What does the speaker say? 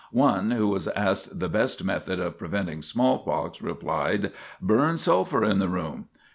One, who was asked the best method of preventing smallpox, replied: "Burn sulphur in the room."